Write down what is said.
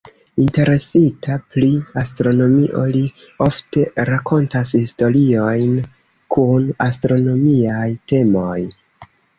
Interesita pri astronomio, li ofte rakontas historiojn kun astronomiaj temoj.